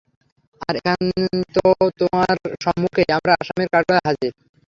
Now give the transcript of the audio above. আর এখন তো তোমার সম্মুখেই আমরা আসামীর কাঠগড়ায় হাযির।